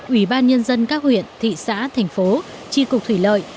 ủy ban nhân dân các huyện thị xã thành phố tri cục thủy lợi